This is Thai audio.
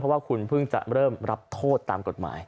ว่าคุณเพิ่งจะเริ่มรับโทษตามกฎหมาย